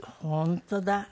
本当だ。